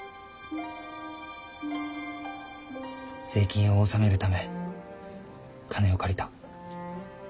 税金を納めるため金を借りた。